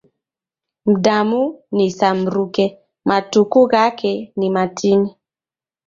Mdamu ni sa mruke, matuku ghake ni matini.